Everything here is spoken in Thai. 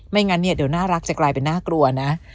ไม่งั้นเดี๋ยวน่ารักจะกลายเป็นน่ากลัวนะ